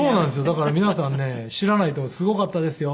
だから皆さんね知らないと思いますけどすごかったですよ。